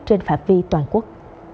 trên phạm vi toàn quốc